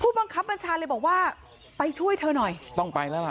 บังคับบัญชาเลยบอกว่าไปช่วยเธอหน่อยต้องไปแล้วล่ะ